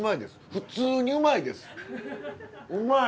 普通にうまいです！うまい！